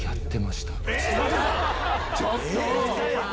ちょっと！